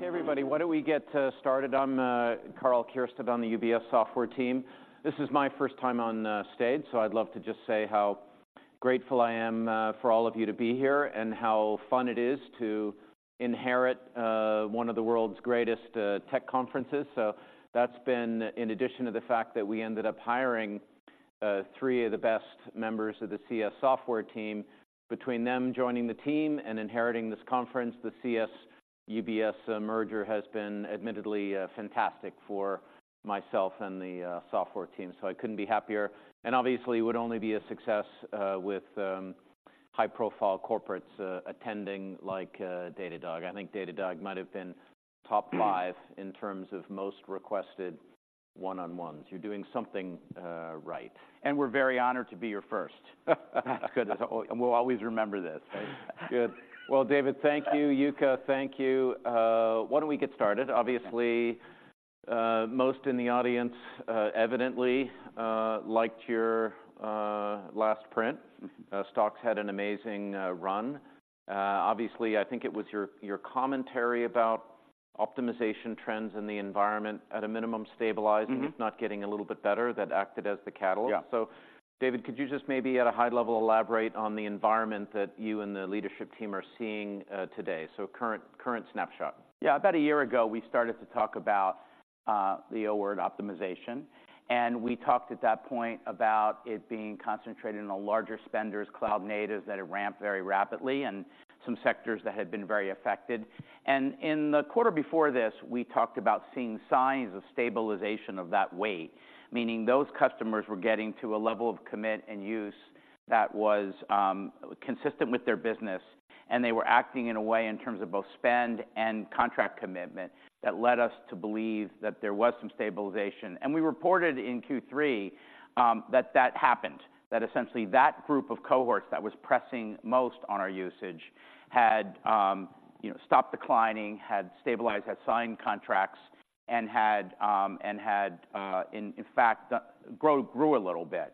Okay, everybody, why don't we get started? I'm Karl Keirstead on the UBS software team. This is my first time on stage, so I'd love to just say how grateful I am for all of you to be here, and how fun it is to inherit one of the world's greatest tech conferences. So that's been in addition to the fact that we ended up hiring three of the best members of the CS software team. Between them joining the team and inheriting this conference, the CS UBS merger has been admittedly fantastic for myself and the software team. So I couldn't be happier. And obviously, it would only be a success with high-profile corporates attending, like Datadog. I think Datadog might have been top five in terms of most requested one-on-ones. You're doing something right. We're very honored to be your first. That's good. We'll always remember this. Good. Well, David, thank you. Yuka, thank you. Why don't we get started? Obviously, most in the audience, evidently, liked your last print. Mm-hmm. Stocks had an amazing run. Obviously, I think it was your, your commentary about optimization trends in the environment, at a minimum, stabilizing. Mm-hmm... if not getting a little bit better, that acted as the catalyst. Yeah. So David, could you just maybe, at a high level, elaborate on the environment that you and the leadership team are seeing, today? So current, current snapshot. Yeah. About a year ago, we started to talk about the O word, optimization. And we talked at that point about it being concentrated in the larger spenders, cloud natives, that it ramped very rapidly, and some sectors that had been very affected. And in the quarter before this, we talked about seeing signs of stabilization of that weight, meaning those customers were getting to a level of commit and use that was consistent with their business, and they were acting in a way, in terms of both spend and contract commitment, that led us to believe that there was some stabilization. And we reported in Q3 that that happened. That essentially, that group of cohorts that was pressing most on our usage had, you know, stopped declining, had stabilized, had signed contracts, and, in fact, the growth grew a little bit.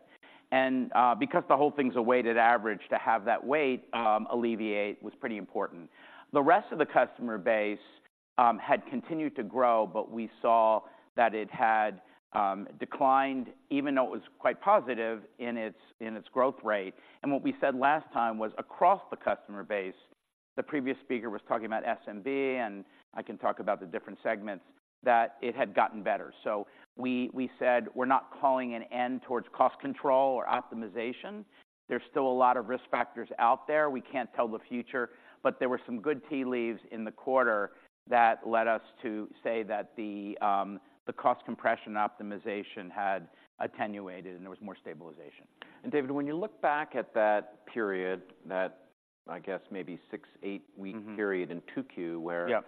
And, because the whole thing's a weighted average, to have that weight alleviate was pretty important. The rest of the customer base had continued to grow, but we saw that it had declined, even though it was quite positive in its growth rate. And what we said last time was across the customer base, the previous speaker was talking about SMB, and I can talk about the different segments, that it had gotten better. So we said, "We're not calling an end towards cost control or optimization. There's still a lot of risk factors out there. We can't tell the future." But there were some good tea leaves in the quarter that led us to say that the cost compression optimization had attenuated and there was more stabilization. David, when you look back at that period, that I guess maybe six, eight-week- Mm-hmm... period in 2Q, where- Yeah ...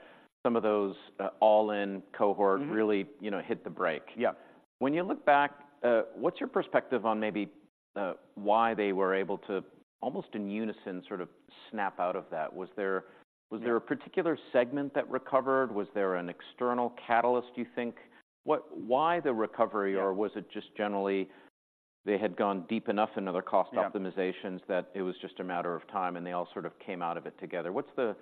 some of those all-in cohort- Mm-hmm... really, you know, hit the brake. Yeah. When you look back, what's your perspective on maybe, why they were able to, almost in unison, sort of snap out of that? Was there- Yeah... was there a particular segment that recovered? Was there an external catalyst, do you think? Why the recovery? Yeah. Or was it just generally they had gone deep enough into their cost optimizations- Yeah... that it was just a matter of time, and they all sort of came out of it together? What's the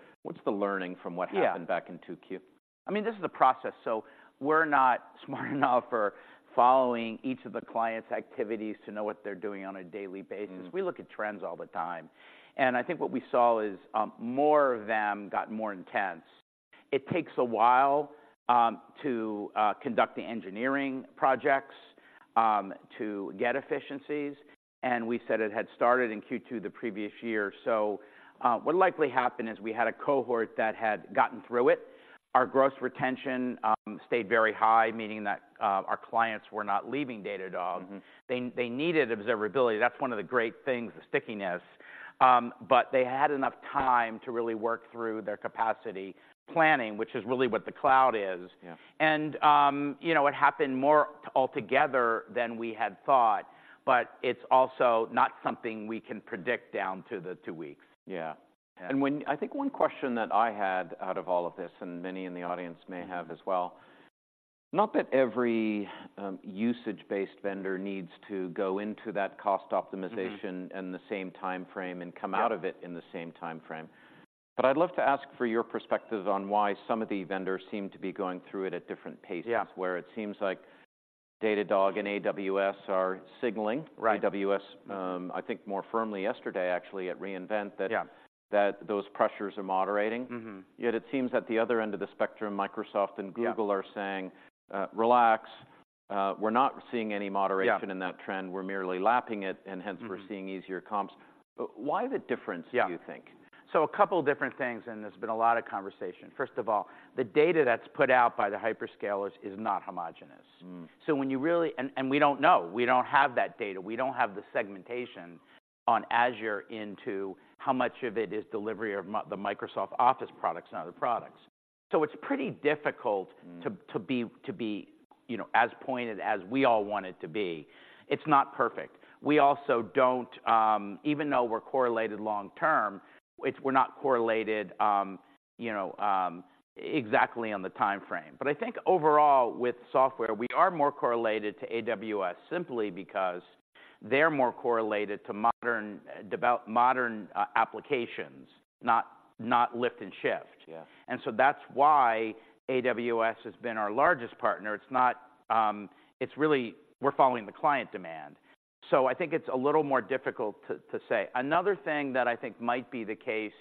learning from what happened- Yeah... back in 2Q? I mean, this is a process, so we're not smart enough for following each of the clients' activities to know what they're doing on a daily basis. Mm-hmm. We look at trends all the time, and I think what we saw is more of them got more intense. It takes a while to conduct the engineering projects to get efficiencies, and we said it had started in Q2 the previous year. So what likely happened is we had a cohort that had gotten through it. Our gross retention stayed very high, meaning that our clients were not leaving Datadog. Mm-hmm. They, they needed observability. That's one of the great things, the stickiness. But they had enough time to really work through their capacity planning, which is really what the cloud is. Yeah. You know, it happened more all together than we had thought, but it's also not something we can predict down to the two weeks. Yeah. Yeah. I think one question that I had out of all of this, and many in the audience may have as well. Mm-hmm... not that every usage-based vendor needs to go into that cost optimization- Mm-hmm... in the same timeframe and come out of it- Yeah... in the same timeframe. But I'd love to ask for your perspective on why some of the vendors seem to be going through it at different paces? Yeah. Where it seems like Datadog and AWS are signaling- Right... AWS, I think more firmly yesterday, actually, at re:Invent, that- Yeah... that those pressures are moderating. Mm-hmm. Yet it seems at the other end of the spectrum, Microsoft and Google- Yeah... are saying, "relax, we're not seeing any moderation- Yeah... in that trend. We're merely lapping it, and hence- Mm-hmm... we're seeing easier comps." Why the difference, do you think? Yeah. So a couple of different things, and there's been a lot of conversation. First of all, the data that's put out by the hyperscalers is not homogeneous. Mm. So when you really... And we don't know. We don't have that data. We don't have the segmentation on Azure into how much of it is delivery of the Microsoft Office products and other products. So it's pretty difficult- Mm... to be, you know, as pointed as we all want it to be. It's not perfect. We also don't, even though we're correlated long term, it's, we're not correlated, you know, exactly on the timeframe. But I think overall, with software, we are more correlated to AWS simply because they're more correlated to modern applications, not lift and shift. Yeah. That's why AWS has been our largest partner. It's not... It's really, we're following the client demand. I think it's a little more difficult to say. Another thing that I think might be the case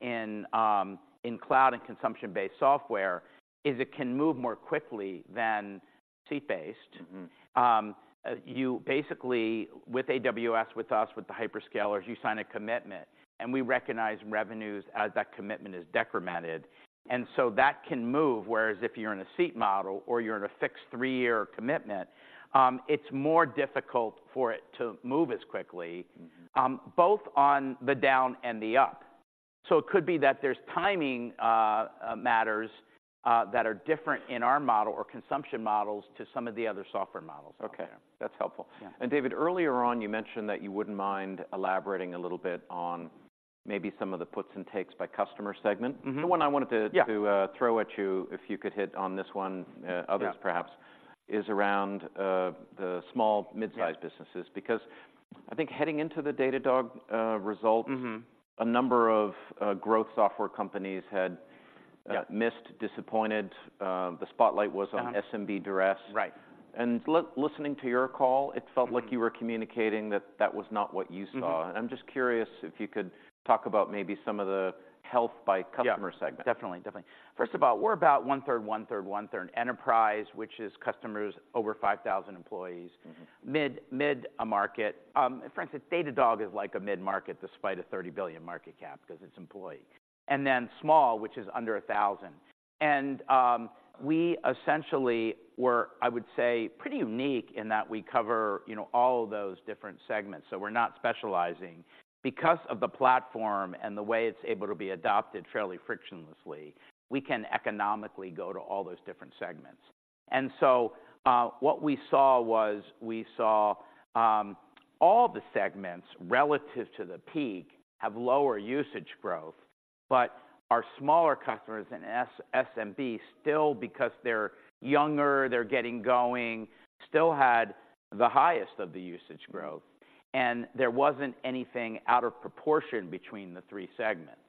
in cloud and consumption-based software is it can move more quickly than seat-based. Mm-hmm. You basically, with AWS, with us, with the hyperscalers, you sign a commitment, and we recognize revenues as that commitment is decremented, and so that can move. Whereas if you're in a seat model or you're in a fixed three-year commitment, it's more difficult for it to move as quickly- Mm-hmm... both on the down and the up. So it could be that there's timing, matters, that are different in our model or consumption models to some of the other software models out there. Okay, that's helpful. Yeah. David, earlier on, you mentioned that you wouldn't mind elaborating a little bit on maybe some of the puts and takes by customer segment. Mm-hmm. The one I wanted to- Yeah... to throw at you, if you could hit on this one, Yeah... others perhaps, is around, the small, mid-sized- Yeah... businesses. Because I think heading into the Datadog results- Mm-hmm... a number of, growth software companies had, Yeah... missed, disappointed. The spotlight was on- Uh-huh... SMB duress. Right. Listening to your call, it felt like you were communicating that that was not what you saw. Mm-hmm. I'm just curious if you could talk about maybe some of the health by customer segment? Yeah. Definitely, definitely. First of all, we're about one-third, one-third, one-third enterprise, which is customers over 5,000 employees. Mm-hmm. Mid-market. Frankly, Datadog is like a mid-market despite a $30 billion market cap, 'cause it's employee. And then small, which is under 1,000. And we essentially were, I would say, pretty unique in that we cover, you know, all of those different segments, so we're not specializing. Because of the platform and the way it's able to be adopted fairly frictionlessly, we can economically go to all those different segments. And so, what we saw was, we saw all the segments relative to the peak have lower usage growth, but our smaller customers in SMB still, because they're younger, they're getting going, still had the highest of the usage growth, and there wasn't anything out of proportion between the three segments.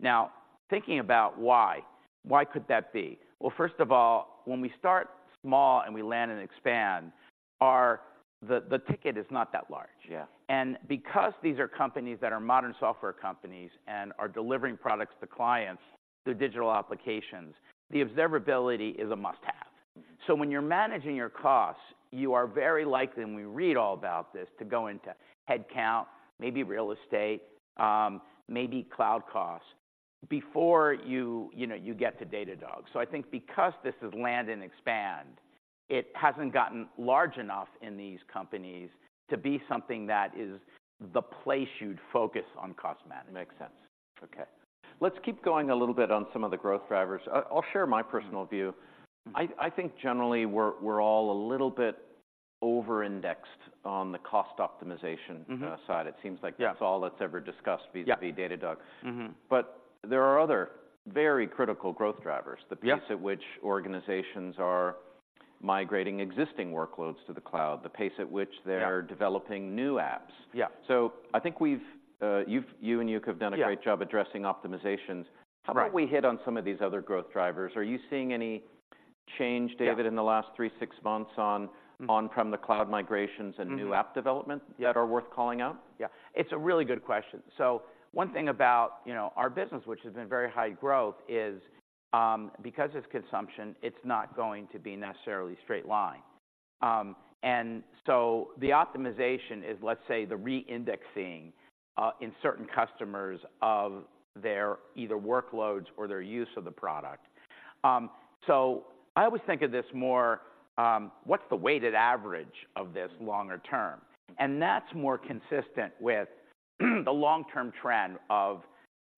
Now, thinking about why, why could that be? Well, first of all, when we start small and we land and expand, our... The ticket is not that large. Yeah. Because these are companies that are modern software companies and are delivering products to clients through digital applications, the observability is a must-have. So when you're managing your costs, you are very likely, and we read all about this, to go into headcount, maybe real estate, maybe cloud costs, before you, you know, you get to Datadog. I think because this is land and expand, it hasn't gotten large enough in these companies to be something that is the place you'd focus on cost management. Makes sense. Okay, let's keep going a little bit on some of the growth drivers. I'll share my personal view. Mm. I think generally we're all a little bit over-indexed on the cost optimization- Mm-hmm... side. It seems like- Yeah... that's all that's ever discussed- Yeah... vis-à-vis Datadog. Mm-hmm. But there are other very critical growth drivers. Yeah. The pace at which organizations are migrating existing workloads to the cloud, the pace at which they're- Yeah... developing new apps. Yeah. So I think we've, you've—you and Yuka have done- Yeah... a great job addressing optimizations. Right. How about we hit on some of these other growth drivers? Are you seeing any change- Yeah... David, in the last three, six months on- Mm... on-prem the cloud migrations- Mm-hmm... and new app development- Yeah... that are worth calling out? Yeah. It's a really good question. So one thing about, you know, our business, which has been very high growth, is, because it's consumption, it's not going to be necessarily straight line. And so the optimization is, let's say, the reindexing, in certain customers of their either workloads or their use of the product. So I always think of this more, what's the weighted average of this longer term? And that's more consistent with the long-term trend of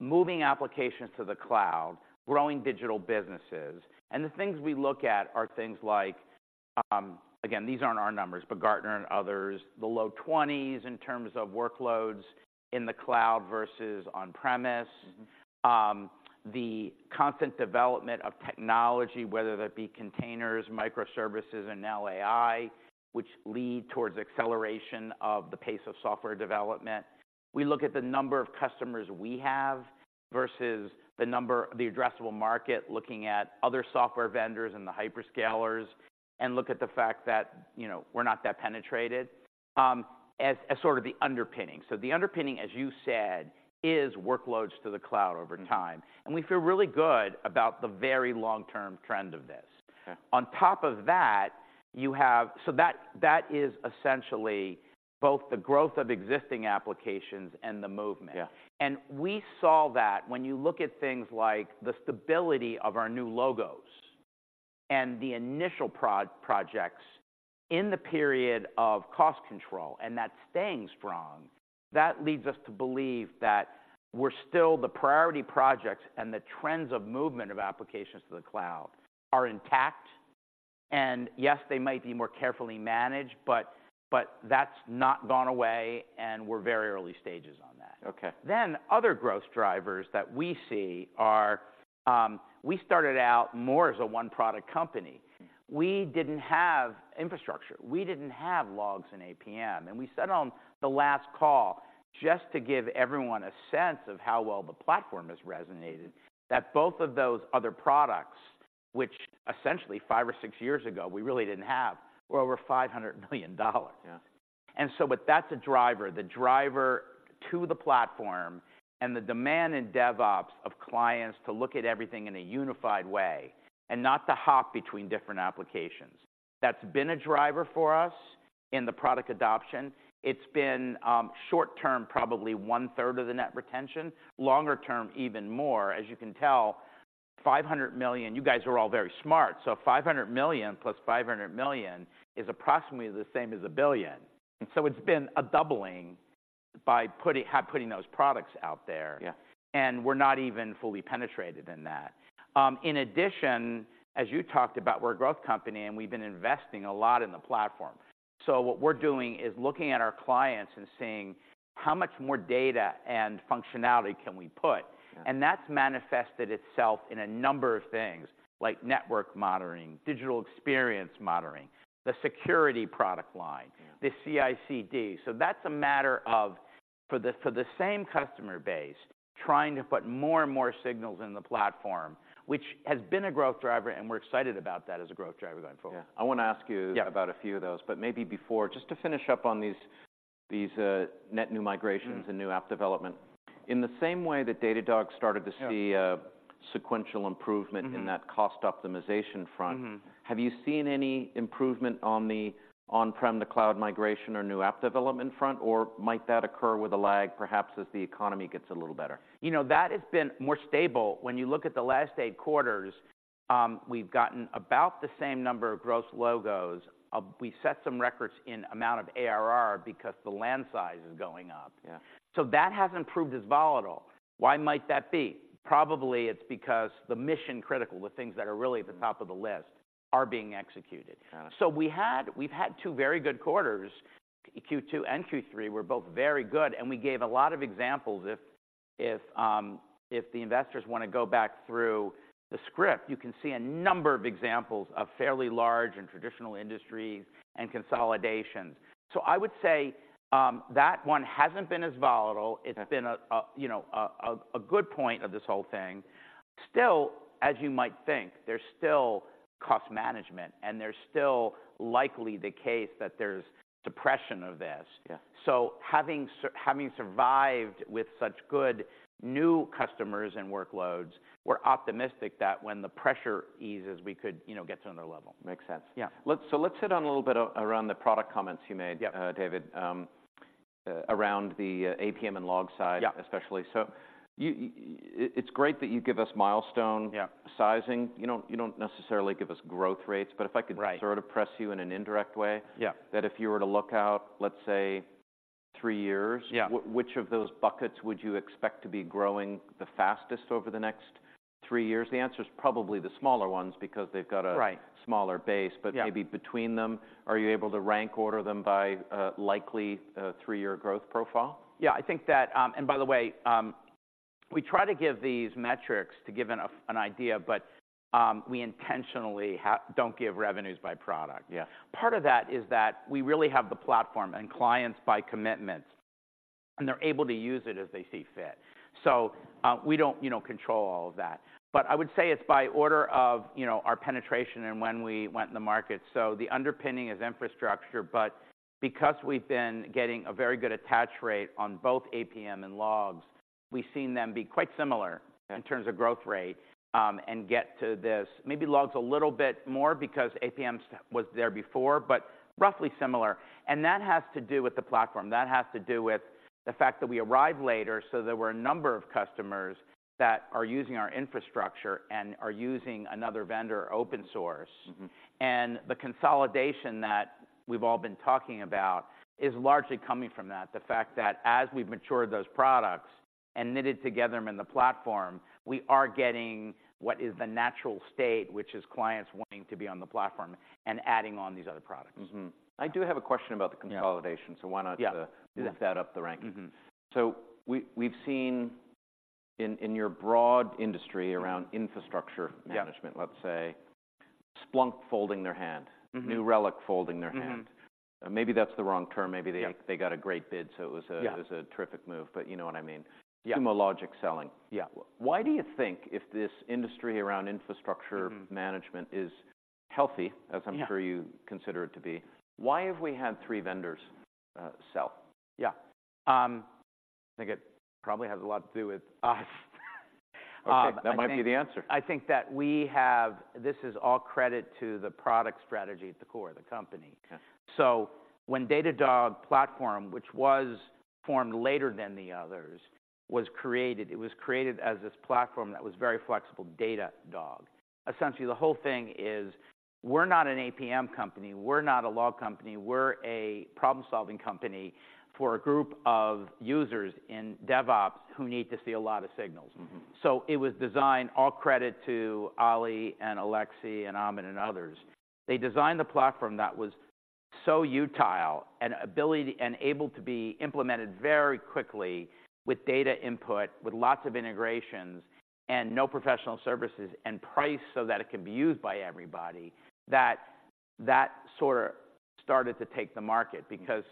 moving applications to the cloud, growing digital businesses. And the things we look at are things like... Again, these aren't our numbers, but Gartner and others, the low 20s in terms of workloads in the cloud versus on-premise. Mm-hmm. The constant development of technology, whether that be containers, microservices, and now AI, which lead towards acceleration of the pace of software development. We look at the number of customers we have versus the number, the addressable market, looking at other software vendors and the hyperscalers, and look at the fact that, you know, we're not that penetrated, as sort of the underpinning. So the underpinning, as you said, is workloads to the cloud over time. Mm-hmm. We feel really good about the very long-term trend of this. Okay. On top of that, you have. So that, that is essentially both the growth of existing applications and the movement. Yeah. We saw that when you look at things like the stability of our new logos and the initial projects in the period of cost control, and that's staying strong. That leads us to believe that we're still the priority projects, and the trends of movement of applications to the cloud are intact. Yes, they might be more carefully managed, but that's not gone away, and we're very early stages on this.... Okay. Then other growth drivers that we see are, we started out more as a one-product company. We didn't have infrastructure. We didn't have logs in APM. And we said on the last call, just to give everyone a sense of how well the platform has resonated, that both of those other products, which essentially five or six years ago we really didn't have, were over $500 million. Yeah. But that's a driver. The driver to the platform and the demand in DevOps of clients to look at everything in a unified way and not to hop between different applications. That's been a driver for us in the product adoption. It's been short term, probably one-third of the net retention, longer term, even more. As you can tell, $500 million, you guys are all very smart, so $500 million + $500 million is approximately the same as $1 billion. And so it's been a doubling by putting those products out there. Yeah. We're not even fully penetrated in that. In addition, as you talked about, we're a growth company, and we've been investing a lot in the platform. What we're doing is looking at our clients and seeing how much more data and functionality can we put? Yeah. That's manifested itself in a number of things, like Network Monitoring, Digital Experience Monitoring, the security product line- Yeah. the CI/CD. So that's a matter of, for the same customer base, trying to put more and more signals in the platform, which has been a growth driver, and we're excited about that as a growth driver going forward. Yeah. I want to ask you- Yeah... about a few of those, but maybe before, just to finish up on these, these, net new migrations- Mm-hmm. and new app development. In the same way that Datadog started to see- Yeah... sequential improvement- Mm-hmm in that cost optimization front- Mm-hmm Have you seen any improvement on the on-prem to cloud migration or new app development front, or might that occur with a lag, perhaps as the economy gets a little better? You know, that has been more stable. When you look at the last eight quarters, we've gotten about the same number of gross logos. We set some records in amount of ARR because the land size is going up. Yeah. So that hasn't proved as volatile. Why might that be? Probably it's because the mission-critical, the things that are really at the top of the list, are being executed. Got it. So we've had two very good quarters. Q2 and Q3 were both very good, and we gave a lot of examples. If the investors want to go back through the script, you can see a number of examples of fairly large and traditional industries and consolidations. So I would say that one hasn't been as volatile. Yeah. It's been, you know, a good point of this whole thing. Still, as you might think, there's still cost management, and there's still likely the case that there's depression of this. Yeah. Having survived with such good new customers and workloads, we're optimistic that when the pressure eases, we could, you know, get to another level. Makes sense. Yeah. Let's hit on a little bit around the product comments you made- Yep... David, around the, APM and log side- Yeah... especially. So you, it's great that you give us milestone- Yeah ...sizing. You don't necessarily give us growth rates, but if I could- Right... sort of press you in an indirect way. Yeah. That if you were to look out, let's say, three years- Yeah... which of those buckets would you expect to be growing the fastest over the next three years? The answer is probably the smaller ones because they've got a- Right... smaller base. Yeah. Maybe between them, are you able to rank order them by a likely, three-year growth profile? Yeah, I think that, and by the way, we try to give these metrics to give an idea, but we intentionally don't give revenues by product. Yeah. Part of that is that we really have the platform and clients by commitments, and they're able to use it as they see fit. So, we don't, you know, control all of that. But I would say it's by order of, you know, our penetration and when we went in the market. So the underpinning is infrastructure, but because we've been getting a very good attach rate on both APM and logs, we've seen them be quite similar in terms of growth rate, and get to this. Maybe logs a little bit more because APM was there before, but roughly similar. And that has to do with the platform. That has to do with the fact that we arrived later, so there were a number of customers that are using our infrastructure and are using another vendor, open source. Mm-hmm. The consolidation that we've all been talking about is largely coming from that, the fact that as we've matured those products and knitted together them in the platform, we are getting what is the natural state, which is clients wanting to be on the platform and adding on these other products. Mm-hmm. I do have a question about the consolidation- Yeah. So why not Yeah... move that up the ranking? Mm-hmm. So we've seen in your broad industry around infrastructure management- Yeah... let's say, Splunk folding their hands. Mm-hmm. New Relic folding their hands. Mm-hmm. Maybe that's the wrong term. Yeah. Maybe they got a great bid, so it was a- Yeah... it was a terrific move, but you know what I mean. Yeah. Sumo Logic selling. Yeah. Why do you think, if this industry around infrastructure- Mm-hmm... management is healthy, as I'm- Yeah... sure you consider it to be, why have we had three vendors sell? Yeah. I think it probably has a lot to do with us. Okay. That might be the answer. I think that we have. This is all credit to the product strategy at the core of the company. Okay. So when Datadog Platform, which was formed later than the others, was created, it was created as this platform that was very flexible, Datadog. Essentially, the whole thing is, we're not an APM company, we're not a log company, we're a problem-solving company for a group of users in DevOps who need to see a lot of signals. Mm-hmm. So it was designed, all credit to Oli and Alexis and Amit and others. They designed the platform that was so useful and able, and able to be implemented very quickly with data input, with lots of integrations, and no professional services, and priced so that it can be used by everybody, that that sort of started to take the market. Because,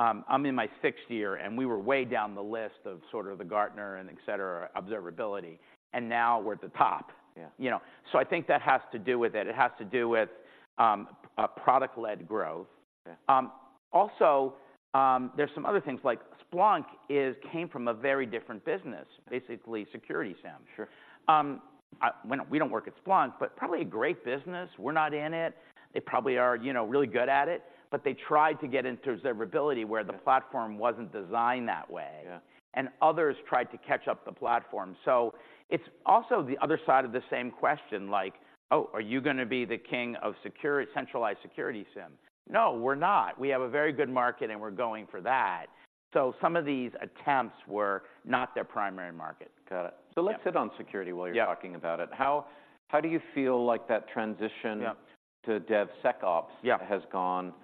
I'm in my sixth year, and we were way down the list of sort of the Gartner and et cetera observability, and now we're at the top. Yeah. You know, so I think that has to do with it. It has to do with a product-led growth. Yeah. Also, there's some other things, like Splunk came from a very different business. Basically, Security SIEM. Sure. We don't work at Splunk, but probably a great business. We're not in it. They probably are, you know, really good at it, but they tried to get into observability. Yeah... where the platform wasn't designed that way. Yeah. Others tried to catch up the platform. So it's also the other side of the same question, like: "Oh, are you gonna be the king of security-centralized security SIEM?" No, we're not. We have a very good market, and we're going for that. So some of these attempts were not their primary market. Got it. Yeah. Let's hit on security while you're talking about it. Yeah. How do you feel like that transition- Yeah... to DevSecOps- Yeah... has gone?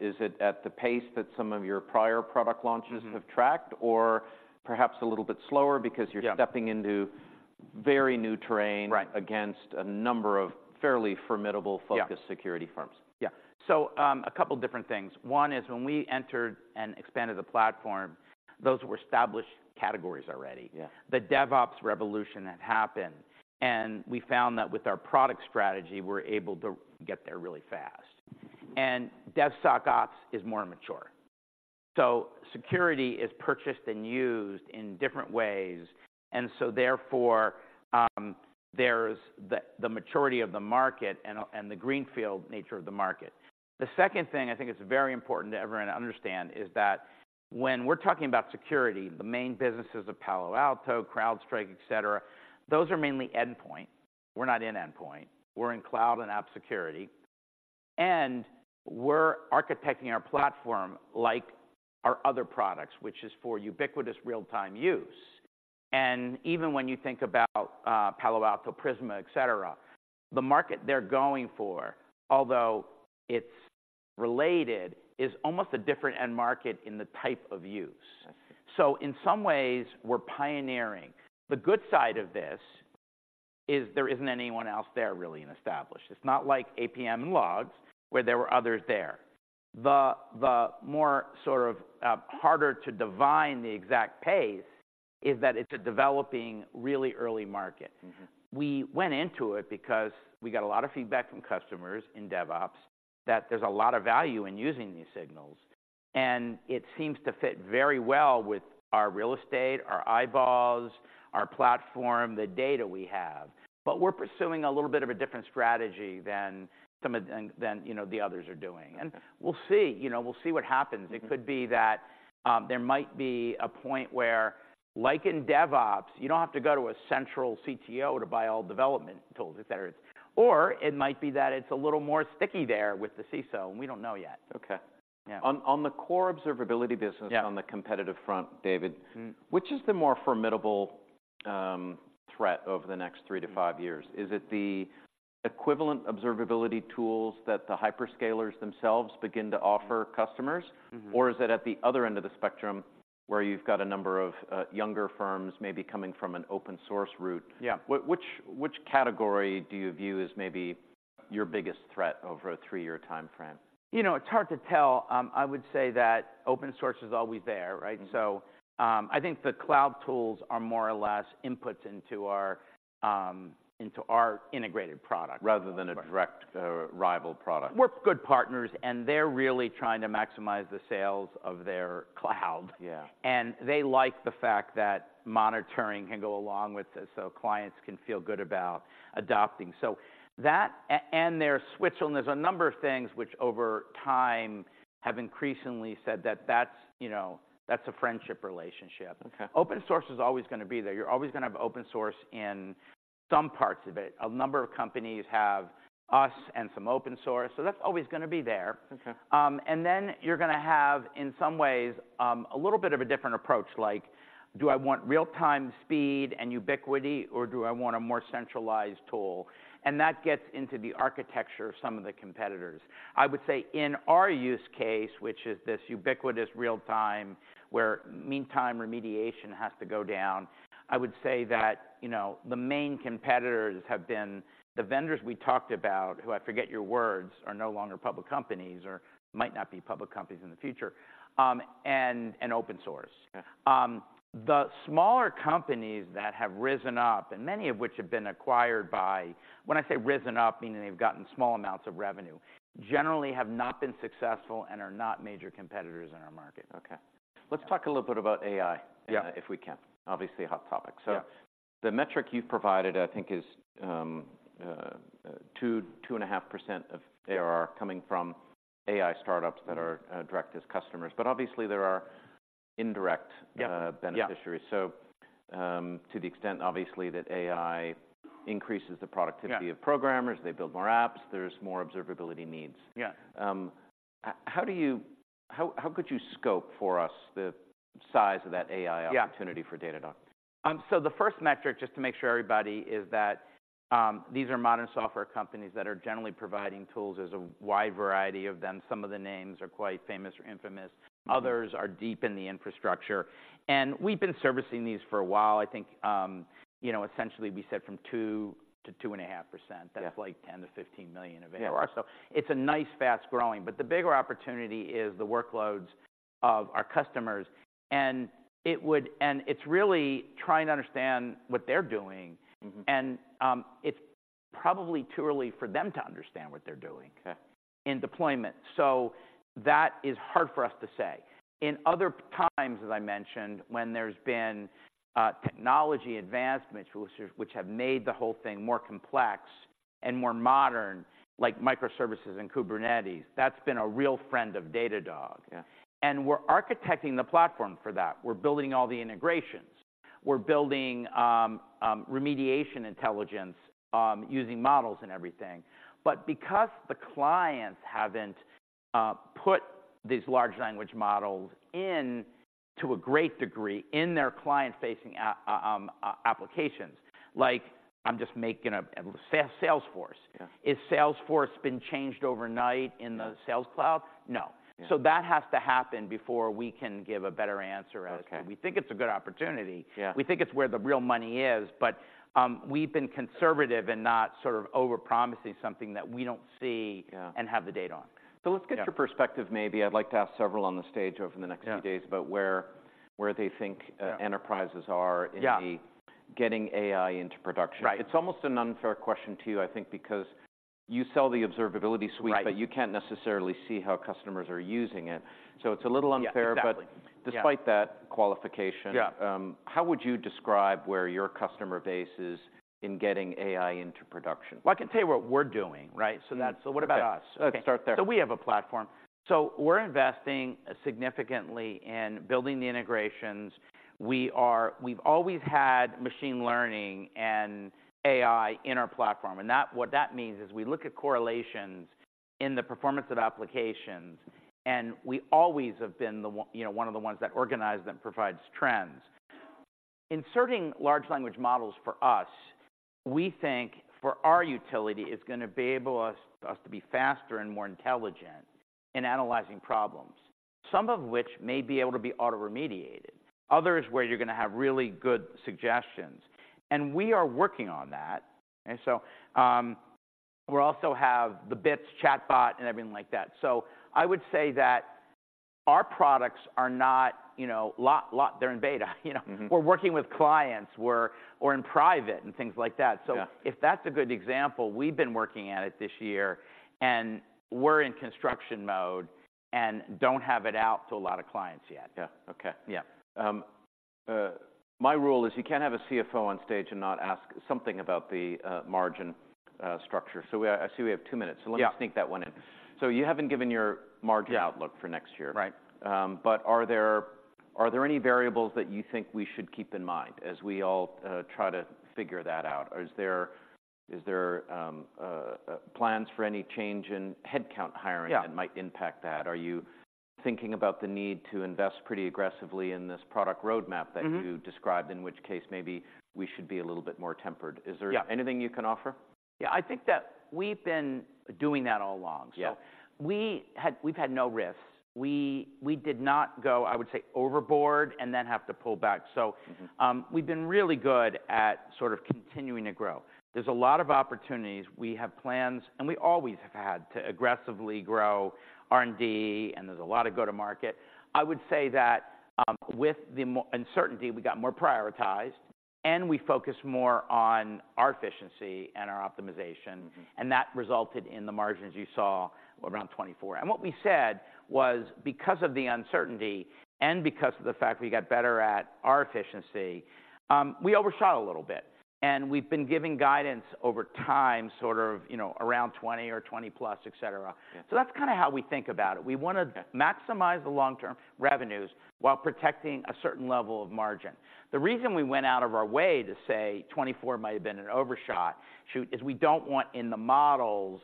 Is it at the pace that some of your prior product launches- Mm-hmm... have tracked, or perhaps a little bit slower because you're- Yeah... stepping into very new terrain- Right... against a number of fairly formidable, focused- Yeah... security firms? Yeah. So, a couple different things. One is when we entered and expanded the platform, those were established categories already. Yeah. The DevOps revolution had happened, and we found that with our product strategy, we're able to get there really fast. DevSecOps is more mature. Security is purchased and used in different ways, and so therefore, there's the maturity of the market and the greenfield nature of the market. The second thing I think it's very important for everyone to understand is that when we're talking about security, the main businesses of Palo Alto, CrowdStrike, et cetera, those are mainly endpoint. We're not in endpoint. We're in cloud and app security, and we're architecting our platform like our other products, which is for ubiquitous real-time use. And even when you think about Palo Alto Prisma, et cetera, the market they're going for, although it's related, is almost a different end market in the type of use. I see. So in some ways, we're pioneering. The good side of this is there isn't anyone else there really and established. It's not like APM and logs, where there were others there. The more sort of harder to divine the exact pace is that it's a developing, really early market. Mm-hmm. We went into it because we got a lot of feedback from customers in DevOps, that there's a lot of value in using these signals, and it seems to fit very well with our real estate, our eyeballs, our platform, the data we have. But we're pursuing a little bit of a different strategy than some of the, than, you know, the others are doing. Okay. We'll see. You know, we'll see what happens. Mm-hmm. It could be that, there might be a point where, like in DevOps, you don't have to go to a central CTO to buy all development tools, et cetera. Or it might be that it's a little more sticky there with the CISO, and we don't know yet. Okay. Yeah. On the core observability business- Yeah... on the competitive front, David- Mm-hmm... which is the more formidable threat over the next three to five years? Is it the equivalent observability tools that the hyperscalers themselves begin to offer customers? Mm-hmm. Or is it at the other end of the spectrum, where you've got a number of younger firms maybe coming from an open-source route? Yeah. Which category do you view as maybe your biggest threat over a three-year timeframe? You know, it's hard to tell. I would say that Open source is always there, right? Mm-hmm. I think the cloud tools are more or less inputs into our integrated product. Rather than a direct rival product. We're good partners, and they're really trying to maximize the sales of their cloud. Yeah. They like the fact that monitoring can go along with it, so clients can feel good about adopting. So that and their switch, and there's a number of things which over time have increasingly said that that's, you know, that's a friendship relationship. Okay. Open source is always gonna be there. You're always gonna have open source in some parts of it. A number of companies have us and some open source, so that's always gonna be there. Okay. And then you're gonna have, in some ways, a little bit of a different approach, like, do I want real-time speed and ubiquity, or do I want a more centralized tool? And that gets into the architecture of some of the competitors. I would say in our use case, which is this ubiquitous real time, where Mean Time remediation has to go down, I would say that, you know, the main competitors have been the vendors we talked about, who, I forget your words, are no longer public companies or might not be public companies in the future, and open source. Okay. The smaller companies that have risen up, and many of which have been acquired by... When I say risen up, meaning they've gotten small amounts of revenue, generally have not been successful and are not major competitors in our market. Okay. Let's talk a little bit about AI- Yeah... if we can. Obviously, a hot topic. Yeah. The metric you've provided, I think, is 2%-2.5% of ARR coming from AI startups that are direct as customers. But obviously, there are indirect- Yeah, yeah... beneficiaries. So, to the extent, obviously, that AI increases the productivity- Yeah... of programmers, they build more apps, there's more observability needs. Yeah. How, how could you scope for us the size of that AI opportunity? Yeah -for Datadog? So the first metric, just to make sure everybody, is that these are modern software companies that are generally providing tools. There's a wide variety of them. Some of the names are quite famous or infamous- Mm-hmm Others are deep in the infrastructure, and we've been servicing these for a while. I think, you know, essentially, we said from 2%-2.5%. Yeah. That's like $10 million-$15 million available. Yeah. So it's a nice, fast-growing, but the bigger opportunity is the workloads of our customers, and it's really trying to understand what they're doing. Mm-hmm. It's probably too early for them to understand what they're doing- Okay... in deployment, so that is hard for us to say. In other times, as I mentioned, when there's been technology advancements, which have made the whole thing more complex and more modern, like microservices and Kubernetes, that's been a real friend of Datadog. Yeah. And we're architecting the platform for that. We're building all the integrations. We're building remediation intelligence using models and everything. But because the clients haven't put these large language models in to a great degree in their client-facing applications, like I'm just making up, Salesforce. Yeah. Is Salesforce been changed overnight in the- Yeah Sales Cloud? No. Yeah. That has to happen before we can give a better answer as to— Okay. We think it's a good opportunity. Yeah. We think it's where the real money is, but we've been conservative and not sort of over-promising something that we don't see- Yeah and have the data on. So let's get- Yeah your perspective, maybe. I'd like to ask several on the stage over the next few days. Yeah -about where they think- Yeah Enterprises are in Yeah the getting AI into production. Right. It's almost an unfair question to you, I think, because you sell the observability suite- Right But you can't necessarily see how customers are using it, so it's a little unfair. Yeah, exactly. But despite that qualification- Yeah How would you describe where your customer base is in getting AI into production? Well, I can tell you what we're doing, right? So that's- So what about us? Okay. Let's start there. So we have a platform. So we're investing significantly in building the integrations. We've always had machine learning and AI in our platform, and that, what that means is we look at correlations in the performance of applications, and we always have been the you know, one of the ones that organize them, provides trends. Inserting large language models for us, we think for our utility, it's gonna enable us to be faster and more intelligent in analyzing problems, some of which may be able to be auto-remediated, others, where you're gonna have really good suggestions. And we are working on that, and so we also have the Bits, chatbot, and everything like that. So I would say that our products are not, you know, lot, lot... They're in beta, you know? Mm-hmm. We're working with clients, we're in private and things like that. Yeah. If that's a good example, we've been working at it this year, and we're in construction mode and don't have it out to a lot of clients yet. Yeah. Okay. Yeah. My rule is you can't have a CFO on stage and not ask something about the margin structure. So, I see we have two minutes- Yeah So let me sneak that one in. So you haven't given your margin outlook. Yeah -for next year. Right. But are there any variables that you think we should keep in mind as we all try to figure that out? Or is there plans for any change in headcount hiring- Yeah -that might impact that? Are you thinking about the need to invest pretty aggressively in this product roadmap that- Mm-hmm You described, in which case, maybe we should be a little bit more tempered? Yeah. Is there anything you can offer? Yeah, I think that we've been doing that all along. Yeah. So we had, we've had no RIFs. We, we did not go, I would say, overboard and then have to pull back. Mm-hmm. So, we've been really good at sort of continuing to grow. There's a lot of opportunities. We have plans, and we always have had to aggressively grow R&D, and there's a lot of go-to-market. I would say that, with the macro uncertainty, we got more prioritized, and we focused more on our efficiency and our optimization- Mm-hmm And that resulted in the margins you saw around 24%. And what we said was, because of the uncertainty and because of the fact we got better at our efficiency, we overshot a little bit. And we've been giving guidance over time, sort of, you know, around 20 or 20+, et cetera. Yeah. That's kinda how we think about it. Yeah. We wanna maximize the long-term revenues while protecting a certain level of margin. The reason we went out of our way to say 2024 might have been an overshoot, shoot, is we don't want in the models,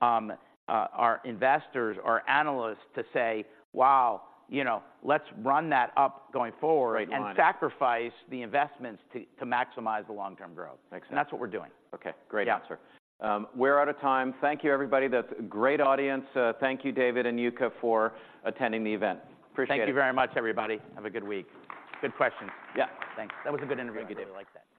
our investors or analysts to say: "Wow, you know, let's run that up going forward- Right -and sacrifice the investments to, to maximize the long-term growth. Makes sense. That's what we're doing. Okay, great answer. Yeah. We're out of time. Thank you, everybody. That's a great audience. Thank you, David and Yuka, for attending the event. Appreciate it. Thank you very much, everybody. Have a good week. Good questions. Yeah. Thanks. That was a good interview, David. I like that.